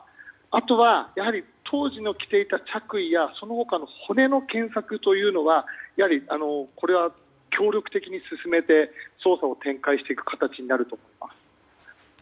あとは、当時の着ていた着衣やその他の骨の検索というのはこれは協力的に進めて捜査を展開していく形になると思います。